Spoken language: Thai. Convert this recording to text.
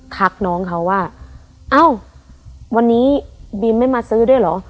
ทักน้องเขาว่าเอ้าวันนี้บีมไม่มาซื้อด้วยเหรอ